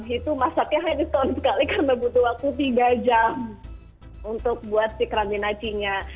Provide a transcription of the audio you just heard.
itu masaknya handis on sekali karena butuh waktu tiga jam untuk buat si krami nacinya